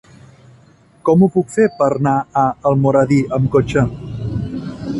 Com ho puc fer per anar a Almoradí amb cotxe?